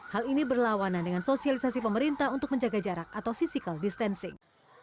hal ini berlawanan dengan sosialisasi pemerintah untuk menjaga jarak atau physical distancing